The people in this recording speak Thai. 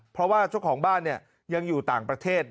เพราะว่าเจ้าของบ้านยังอยู่ต่างประเทศ